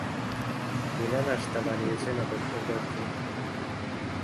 মীরা নাশতা বানিয়ে অপেক্ষা করছেন।